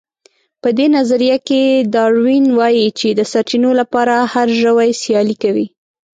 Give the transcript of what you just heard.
په دې نظريه کې داروېن وايي چې د سرچينو لپاره هر ژوی سيالي کوي.